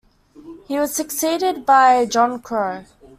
He was succeeded by John Crow.